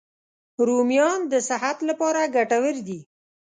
رومیان د صحت لپاره ګټور دي